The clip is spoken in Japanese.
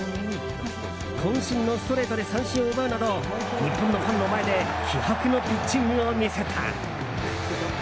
渾身のストレートで三振を奪うなど日本のファンの前で気迫のピッチングを見せた。